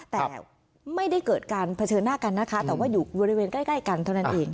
แต่ไม่ได้เกิดการเผชิญหน้ากันนะคะแต่ว่าอยู่บริเวณใกล้กันเท่านั้นเอง